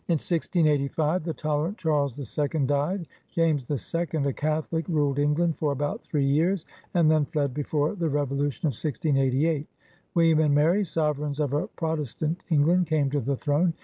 In 1685 the tolerant Charles the Second died. James the Second, a Catholic, ruled England for about three years, and then fled before the Revo lution of 1688. William and Mary, sovereigns of a Protestant England, came to the throne.